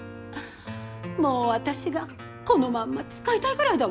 もう私がこのまんま使いたいぐらいだわ。